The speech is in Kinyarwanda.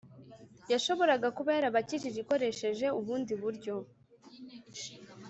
yashoboraga kuba yarabakijije ikoresheje ubundi buryo,